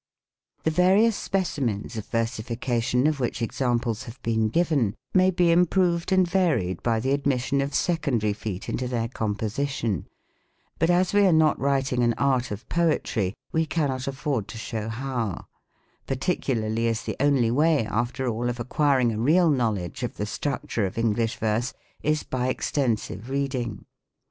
The various specimens of versification of which ex amples have been given, may be improved and varied by the admission of secondary feet into their compo sition ; but as we are not writing an Art of Poetry, we cannot afford to show how: particularly as the only way, after all, of acquiring a real knowledge of the structure of English verse, is by extensive readinj^.